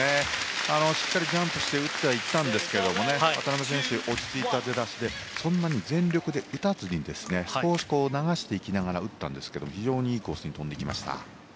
しっかりジャンプして打っていったんですが渡辺選手、落ち着いた出足でそんなに急いで打たずに少し流していきながら打ったんですけども非常にいいコースに飛んでいきました。